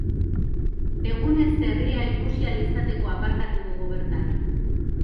Egunez herria ikusi ahal izateko aparkatu dugu bertan.